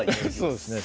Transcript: そうですね